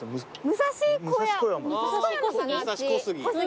武蔵小杉。